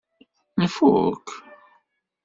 Nfuk?